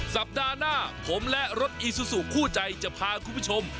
สัปดาห์หน้าผมและรถอีซูซูคู่ใจจะพาคุณผู้ชม